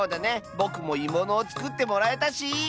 ぼくもいものをつくってもらえたし！